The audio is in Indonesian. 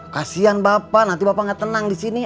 kasian bapak nanti bapak gak tenang disini